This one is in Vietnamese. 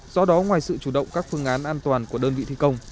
do đó ngoài sự chủ động các phương án an toàn của đơn vị thi công